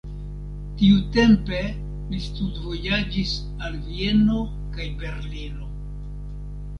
Tiutempe li studvojaĝis al Vieno kaj Berlino.